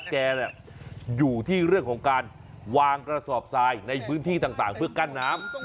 แกอยู่ที่เรื่องของการวางกระสอบทรายในพื้นที่ต่างเพื่อกั้นน้ำ